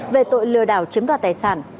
về tội lừa đảo chiếm đoạt tài sản